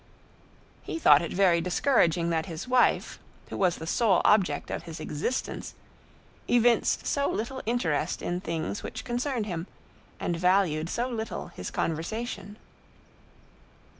He thought it very discouraging that his wife, who was the sole object of his existence, evinced so little interest in things which concerned him, and valued so little his conversation.